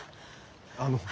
あの。